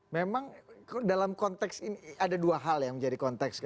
memang dalam konteks ini ada dua hal yang menjadi konteks